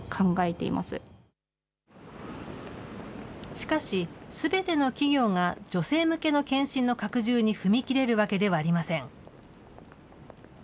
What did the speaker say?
しかし、すべての企業が女性向けの検診の拡充に踏み切れるわけではありません。